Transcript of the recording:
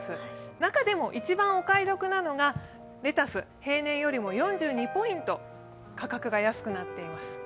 中でも一番お買い得なのがレタス、平年よりも４２ポイント価格が安くなっています。